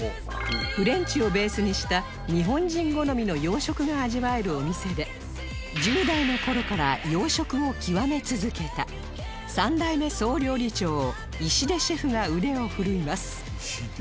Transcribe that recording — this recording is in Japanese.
フレンチをベースにした日本人好みの洋食が味わえるお店で１０代の頃から洋食を極め続けた３代目総料理長石出シェフが腕を振るいます